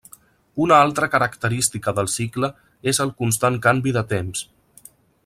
Una altra característica del cicle és el constant canvi de temps.